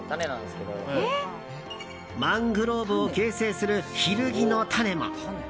マングローブを形成するヒルギの種も。